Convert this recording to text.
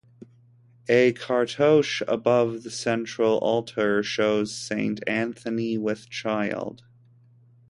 A cartouche above the central altar shows Saint "Anthony with Child".